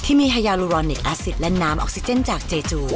ที่มีฮายาลูรอนิกอาซิตและน้ำออกซิเจนจากเจจู